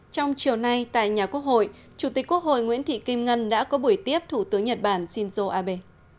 trong chiều nay tại nhà quốc hội chủ tịch quốc hội nguyễn thị kim ngân đã có buổi tiếp thủ tướng nhật bản shinzo abe